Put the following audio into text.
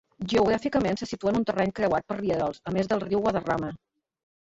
Geogràficament, se situa en un terreny creuat per rierols, a més del riu Guadarrama.